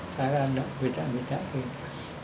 saya tidak berbicara bicara